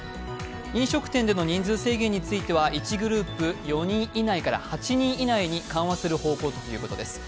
飲食店での人数制限については１グループ４人以内から８人以内に緩和する方向ということです。